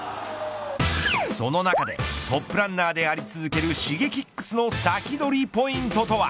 その中でトップランナーであり続けるＳｈｉｇｅｋｉｘの先取りポイントとは。